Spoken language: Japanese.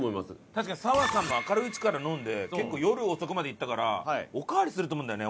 確かに砂羽さんが明るいうちから飲んで結構夜遅くまでいったからおかわりすると思うんだよね